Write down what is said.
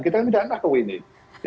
kita tidak tahu ini